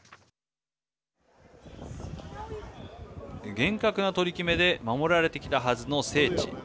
厳格な取り決めで守られてきたはずの聖地。